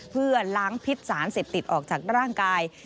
เพื่อล้างพิษสารเสพติดออกจากร่างกาย